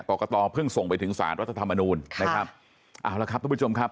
กรกตเพิ่งส่งไปถึงสารรัฐธรรมนูลนะครับเอาละครับทุกผู้ชมครับ